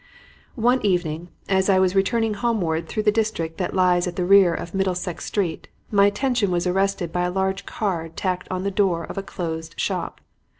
"One evening, as I was returning homeward through the district that lies at the rear of Middlesex Street, my attention was arrested by a large card tacked on the door of a closed shop.